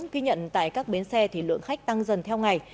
ghi nhận tại các bến xe thì lượng khách tăng dần theo ngày